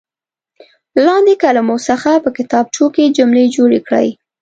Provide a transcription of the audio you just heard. له لاندې کلمو څخه په کتابچو کې جملې جوړې کړئ.